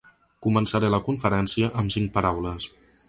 Començaré la conferència amb cinc paraules.